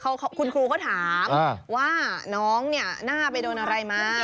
คุณครูก็ถามว่าน้องเนี่ยหน้าไปโดนอะไรมา